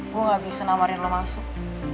gua gak bisa namarin lu masuk